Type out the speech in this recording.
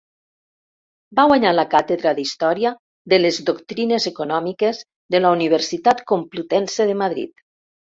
Va guanyar la càtedra d'Història de les Doctrines Econòmiques de la Universitat Complutense de Madrid.